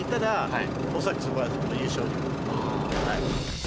はい